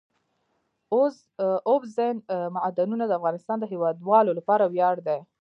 اوبزین معدنونه د افغانستان د هیوادوالو لپاره ویاړ دی.